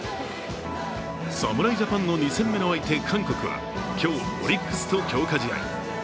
侍ジャパンの２戦目の相手、韓国は今日、オリックスと強化試合。